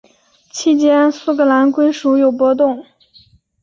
期间苏格兰归属有波动。